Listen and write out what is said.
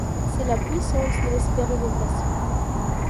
C'est la puissance de l'expérimentation.